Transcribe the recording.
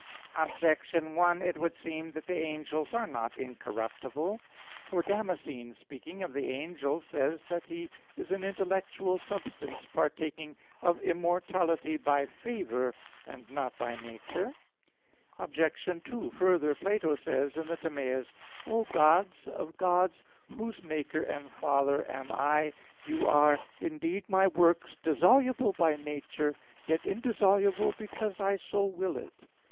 Objection 1: It would seem that the angels are not incorruptible; for Damascene, speaking of the angel, says (De Fide Orth. ii, 3) that he is "an intellectual substance, partaking of immortality by favor, and not by nature." Obj. 2: Further, Plato says in the Timaeus: "O gods of gods, whose maker and father am I: You are indeed my works, dissoluble by nature, yet indissoluble because I so will it."